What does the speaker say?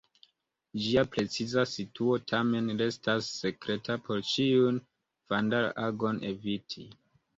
Ĝia preciza situo tamen restas sekreta por ĉiun vandal-agon eviti.